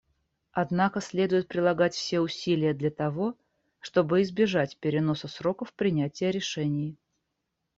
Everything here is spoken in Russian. Однако следует прилагать все усилия для того, чтобы избежать переноса сроков принятия решений.